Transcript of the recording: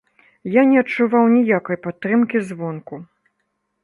Я не адчуваў ніякай падтрымкі звонку.